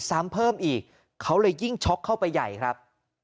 ซ้ำเพิ่มอีกเขาเลยยิ่งช็อกเข้าไปใหญ่ครับ